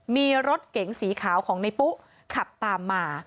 มีรถเก๋งสีขาวของในปุ๊ขับตามมา